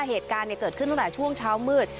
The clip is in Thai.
เหตุการณ์เกิดขึ้นตั้งแต่ช่วงเช้ามืด